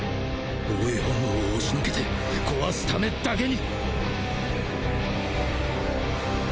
防衛本能を押し退けて壊すためだけに！